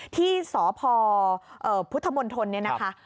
ที่สพพุทธมนตร์ทนี้นะคะ